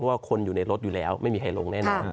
ว่าคนอยู่ในรถอยู่แล้วไม่มีใครลงแน่นอน